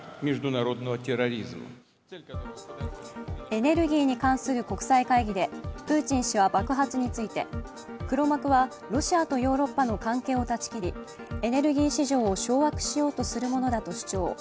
エネルギーに関する国際会議でプーチン氏は爆発について黒幕はロシアとヨーロッパの関係を裁ち切り、エネルギー市場を掌握しようとするものだと主張。